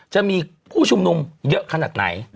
จะมีผู้ชุมนุมเยอะขนาดไหน